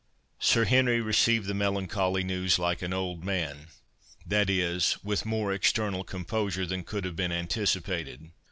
Sir Henry received the melancholy news like an old man, that is, with more external composure than could have been anticipated.